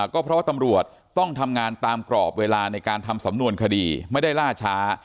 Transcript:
ก็เพราะว่าตำรวจต้องทำงานตามกรอบเวลาในการทำสำนวนคดีไม่ได้ล่าช้า